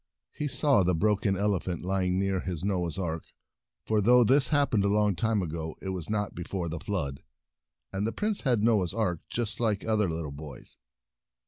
He saw the broken ele phant lying near his Noah's Ark, for though this happened a long time ago, it was not be fore the Flood, and the Prince had a Noah's Ark just like other little boys.